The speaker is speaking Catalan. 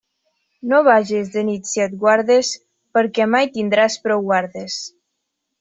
No vages de nit si et guardes, perquè mai tindràs prou guardes.